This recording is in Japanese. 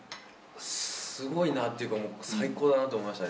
すごいなっていうか、もう最高だなと思いましたね。